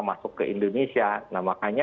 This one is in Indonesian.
masuk ke indonesia nah makanya